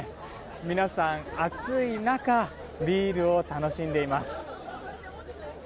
皆さん、暑い中ビールを楽しんでいます。